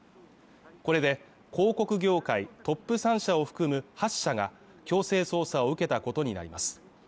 これで広告業界トップ３社を含む８社が強制捜査を受けたことになります